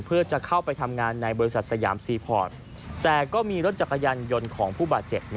เพื่อจะเข้าไปทำงานในบริษัทสยามซีพอร์ตแต่ก็มีรถจักรยานยนต์ของผู้บาดเจ็บ